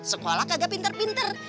sekolah kagak pinter pinter